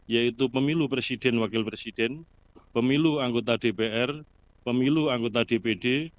yaitu pemilu presiden wakil presiden pemilu anggota dpr pemilu anggota dpd